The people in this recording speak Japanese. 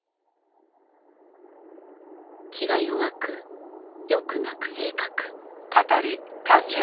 気が弱くよく泣く性格。